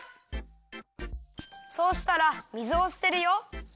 そうしたら水をすてるよ。